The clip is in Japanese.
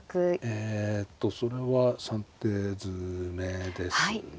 えっとそれは３手詰めですね。